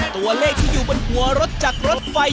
ตัวเลขที่อยู่บนหัวรถจากรถไฟ